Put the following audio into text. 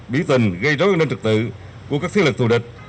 biểu tình gây rối an ninh trật tự của các thiết lực thù địch